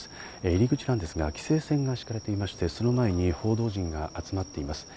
入り口ですが、規制線が敷かれていまして、その前に報道陣が集まっています。